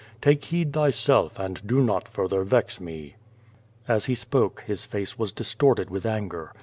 Take heed thyself, and do not further vex me.*' As he spoke, his face was distorted with anger.